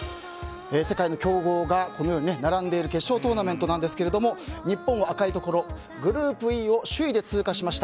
世界の強豪がこのように並んでいる決勝トーナメントなんですが日本は赤いところグループＥを首位で通過しました。